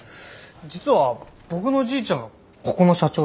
実は僕のじいちゃんがここの社長で。